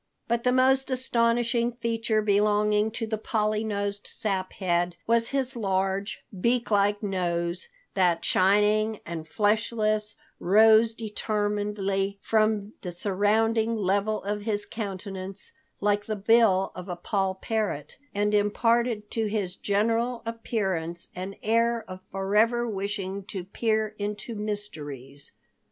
But the most astonishing feature belonging to the Polly nosed Saphead was his large, beak like nose that, shining and fleshless, rose determinedly from the surrounding level of his countenance like the bill of a poll parrot, and imparted to his general appearance an air of forever wishing to peer into mysteries.